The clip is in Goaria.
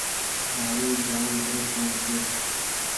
هآڙي جآم پريشان ڇي۔